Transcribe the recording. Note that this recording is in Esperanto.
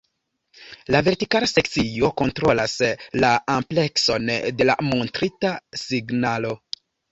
La vertikala sekcio kontrolas la amplekson de la montrita signalo.